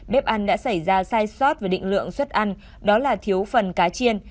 bếp ăn đã xảy ra sai sót về định lượng xuất ăn đó là thiếu phần cá chiên